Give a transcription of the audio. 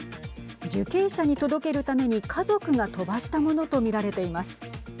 受刑者に届けるために家族が飛ばしたものとみられています。